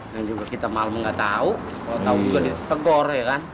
dan juga kita malu malu gak tau kalo tau juga ditegor ya kan